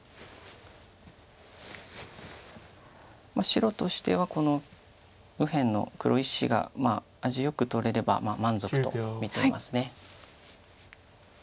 白としてはこの右辺の黒１子が味よく取れれば満足と見ています。